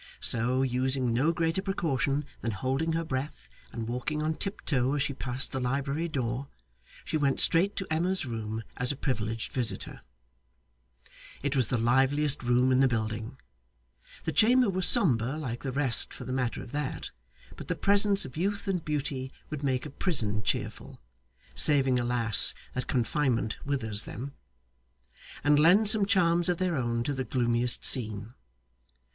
So, using no greater precaution than holding her breath and walking on tiptoe as she passed the library door, she went straight to Emma's room as a privileged visitor. It was the liveliest room in the building. The chamber was sombre like the rest for the matter of that, but the presence of youth and beauty would make a prison cheerful (saving alas! that confinement withers them), and lend some charms of their own to the gloomiest scene.